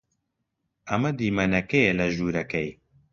ئەمە دیمەنەکەیە لە ژوورەکەی.